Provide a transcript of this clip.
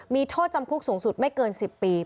มีโทษจำคุกสูงสุดไม่เกิน๑๐ปี